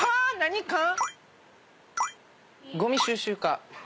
ごみ収集課。